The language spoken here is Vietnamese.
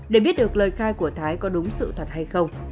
để biết được lời khai của thái có đúng sự thật hay không